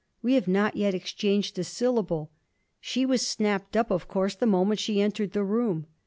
We have not yet exchanged a syllable: she was snapped up, of course, the moment she entered the room.